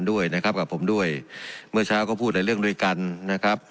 ด้วยนะครับกับผมด้วยเมื่อเช้าก็พูดหลายเรื่องด้วยกันนะครับ